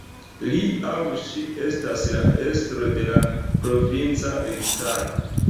Li aŭ ŝi estas la estro de la provinca registaro.